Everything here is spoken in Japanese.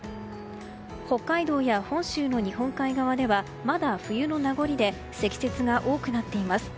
北海道や本州の日本海側ではまだ冬の名残で積雪が多くなっています。